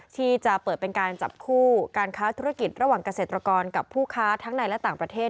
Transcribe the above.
ที่จะเปิดเป็นการจับคู่การค้าธุรกิจระหว่างเกษตรกรกับผู้ค้าทั้งในและต่างประเทศ